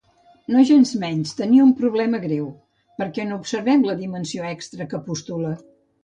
Nogensmenys, tenia un problema greu: per què no observem la dimensió extra que postula?